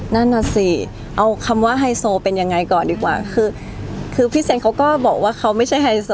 นั่นน่ะสิเอาคำว่าไฮโซเป็นยังไงก่อนดีกว่าคือคือพี่เซนเขาก็บอกว่าเขาไม่ใช่ไฮโซ